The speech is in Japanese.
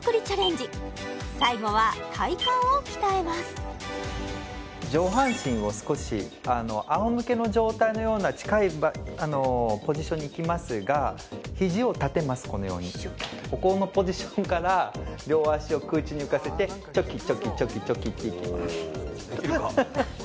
最後は上半身を少しあおむけの状態のような近いポジションにいきますが肘を立てますこのようにここのポジションから両足を空中に浮かせてチョキチョキチョキチョキっていきますできるか？